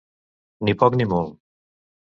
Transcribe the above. Ni poc ni molt.